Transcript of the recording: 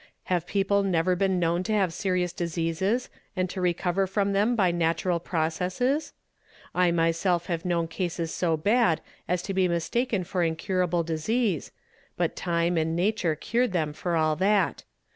Have people never been known to have serious diseases, and to recover from them by natural processes? I myself have known cases so bad as to be mistaken for incur able disease, but time and nature cured them for all that.